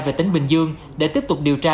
về tỉnh bình dương để tiếp tục điều tra